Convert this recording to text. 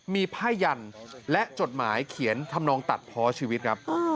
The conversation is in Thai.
มีผ้ายันและจดหมายเขียนทำนองตัดเพาะชีวิตครับ